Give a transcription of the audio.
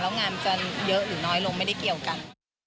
แล้วงานจะเยอะหรือน้อยลงไม่ได้เกี่ยวกัน